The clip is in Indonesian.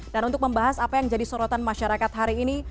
dan untuk membahas apa yang jadi sorotan masyarakat hari ini